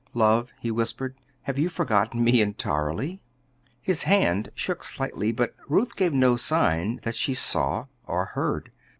"Love," he whispered, "have you forgotten me entirely?" His hand shook slightly; but Ruth gave no sign that she saw or heard.